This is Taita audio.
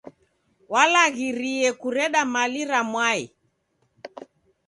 W'alaghirie kureda mali ra mwai.